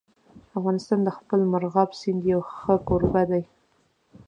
افغانستان د خپل مورغاب سیند یو ښه کوربه دی.